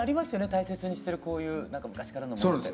大切にしてるこういうなんか昔からのものって。